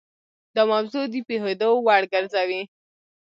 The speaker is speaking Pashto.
دا موضوع د پوهېدو وړ ګرځوي.